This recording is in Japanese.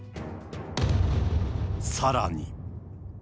さらに。